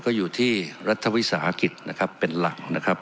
ก็อยู่ที่รัฐวิสาหกิจนะครับเป็นหลักนะครับ